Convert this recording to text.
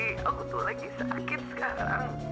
iya tapi tuh di aku tuh lagi sakit sekarang